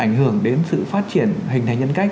ảnh hưởng đến sự phát triển hình thành nhân cách